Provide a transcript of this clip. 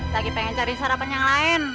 lagi pengen cari sarapan yang lain